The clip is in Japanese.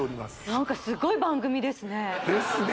何かすごい番組ですねですね